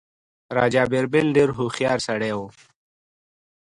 راجا بیربل ډېر هوښیار سړی وو.